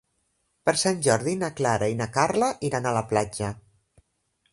Per Sant Jordi na Clara i na Carla iran a la platja.